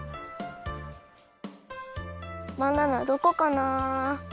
バナナどこかな？